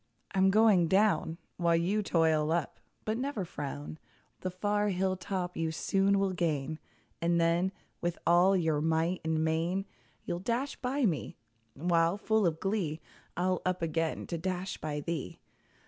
I'm going down, While you toil up; but never frown; The far hill top you soon will gain, And then, with all your might and main, You'll dash by me; while, full of glee, I'll up again to dash by thee!